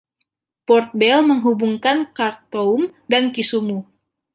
Port Bell menghubungkan Khartoum dan Kisumu.